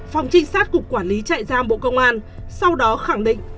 phòng trinh sát cục quản lý trại giam bộ công an sau đó khẳng định